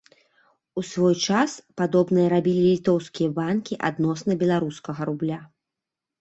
У свой час падобнае рабілі літоўскія банкі адносна беларускага рубля.